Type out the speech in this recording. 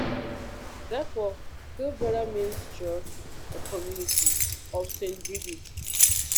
Therefore, Kilbreda means Church or Community of Saint Brigid.